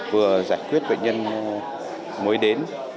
vừa giải quyết bệnh nhân mới đến